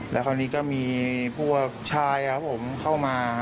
แล้วคราวนี้ก็มีพวกชายเข้ามา